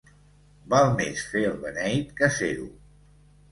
Val més fer el beneit que ser-ho.